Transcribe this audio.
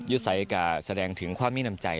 ยุษัยก็แสดงถึงความมินำใจ